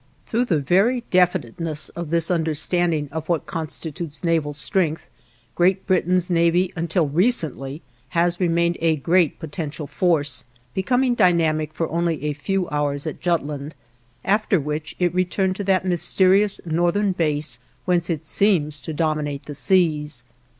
Through the very definiteness of this understanding of what constitutes naval strength, Great Britain's navy until recently has remained a great potential force, becoming dynamic for only a few hours at Jutland, after which it returned to that mysterious northern base whence it seems to dominate the seas.